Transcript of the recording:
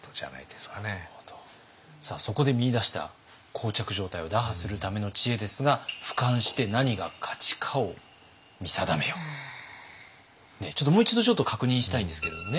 そこで見いだした膠着状態を打破するための知恵ですがもう一度ちょっと確認したいんですけれどもね